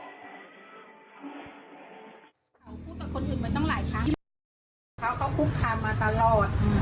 พูดกับคนอื่นมันต้องหลายครั้งเขาก็คุกคามมาตลอดอืม